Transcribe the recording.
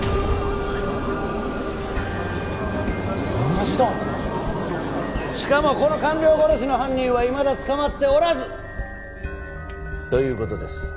同じだしかもこの官僚殺しの犯人はいまだ捕まっておらずということです